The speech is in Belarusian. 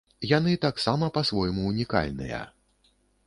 Яны таксама па-свойму ўнікальныя.